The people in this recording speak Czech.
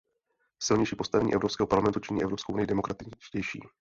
Silnější postavení Evropského parlamentu činí Evropskou unii demokratičtější.